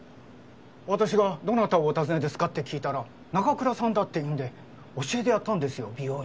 私がどなたをお訪ねですかって聞いたら中倉さんだって言うんで教えてやったんですよ美容院。